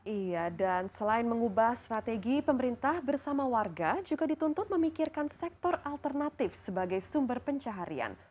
iya dan selain mengubah strategi pemerintah bersama warga juga dituntut memikirkan sektor alternatif sebagai sumber pencaharian